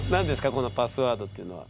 このパスワードっていうのは。